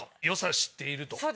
良さ知っていると。